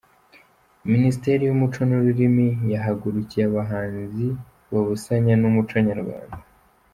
Minisiteri yumuco nururimi yahagurukiye abahanzi babusanya n’umuco nyarwanda